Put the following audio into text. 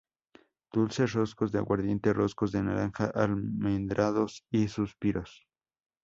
Dulces: roscos de aguardiente, roscos de naranja, almendrados y suspiros.